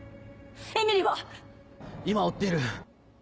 えみりは⁉今追っている。